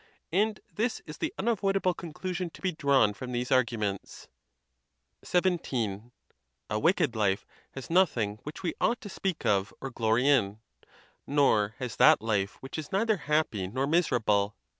And this is the unavoidable conclusion to be drawn from these arguments. XVII. A wicked life has nothing which we ought to speak of or glory in; nor has that life which is neither happy nor miserable.